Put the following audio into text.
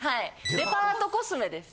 デパートコスメです。